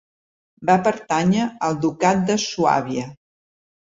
Va pertànyer al ducat de Suàbia.